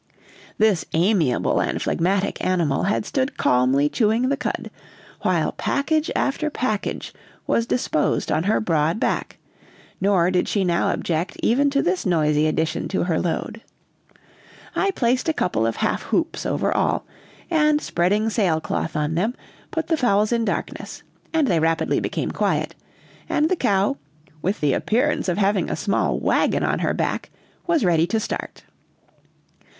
This amiable and phlegmatic animal had stood calmly chewing the cud, while package after package was disposed on her broad back, nor did she now object even to this noisy addition to her load. I placed a couple of half hoops over all; and, spreading sailcloth on them, put the fowls in darkness, and they rapidly became quiet; and the cow, with the appearance of having a small wagon on her back, was ready to start.